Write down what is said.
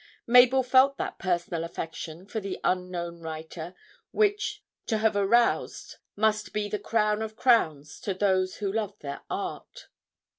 Mabel felt that personal affection for the unknown writer which to have aroused must be the crown of crowns to those who love their art.